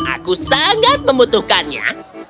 aku sangat membutuhkannya